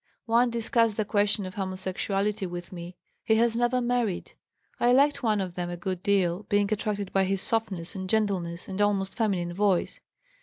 One discussed the question of homosexuality with me; he has never married. I liked one of them a good deal, being attracted by his softness and gentleness and almost feminine voice.